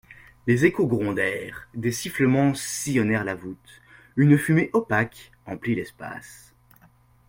Les échos grondèrent, des sifflements sillonnèrent la voûte, une fumée opaque emplit l'espace.